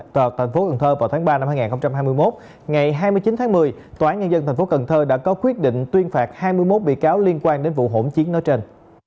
tại tp hcm vào tháng ba năm hai nghìn hai mươi một ngày hai mươi chín tháng một mươi tntp đã có quyết định tuyên phạt hai mươi một bị cáo liên quan đến vụ hỗn chiến nói trên